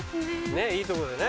ねっいいとこでね。